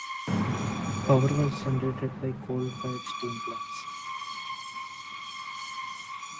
Power was generated by coal-fired steam plants.